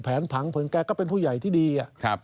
แผงผลแกก็เป็นผู้ใหญ่ที่ดีอ่ะ